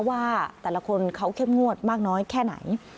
ว่าแต่ละคนเขาเข้มงวดมากน้อยแค่ไหน